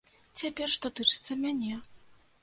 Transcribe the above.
Цяпер, што тычыцца мяне.